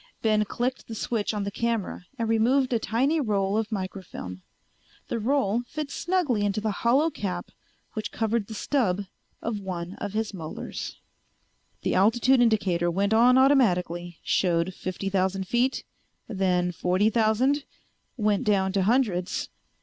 Ben clicked the switch on the camera and removed a tiny roll of microfilm. The roll fit snugly into the hollow cap which covered the stub of one of his molars. The altitude indicator went on automatically, showed fifty thousand feet, then forty thousand, went down to hundreds.